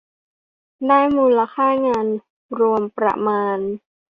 ได้มูลค่างานรวมประมาณ